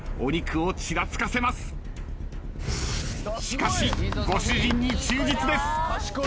しかしご主人に忠実です。